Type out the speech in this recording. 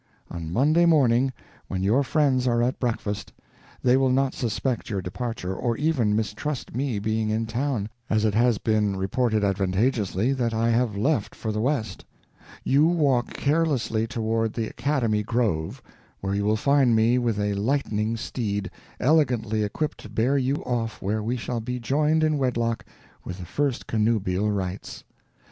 On Monday morning, when your friends are at breakfast, they will not suspect your departure, or even mistrust me being in town, as it has been reported advantageously that I have left for the west. You walk carelessly toward the academy grove, where you will find me with a lightning steed, elegantly equipped to bear you off where we shall be joined in wedlock with the first connubial rights.